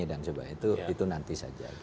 jangan coba itu nanti saja